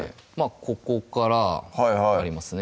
ここからありますね